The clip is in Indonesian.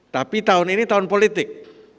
tapi tahun ini tahun politik